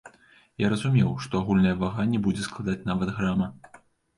Я разумеў, што агульная вага не будзе складаць нават грама.